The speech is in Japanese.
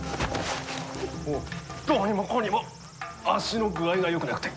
どうにもこうにも足の具合がよくなくて。